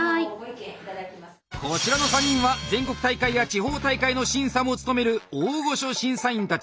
こちらの３人は全国大会や地方大会の審査も務める大御所審査員たち。